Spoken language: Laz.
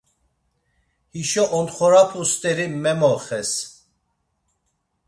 Hişo ontxorapu steri memoxes.